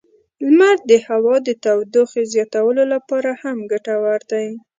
لمر د هوا د تودوخې زیاتولو لپاره هم ګټور دی.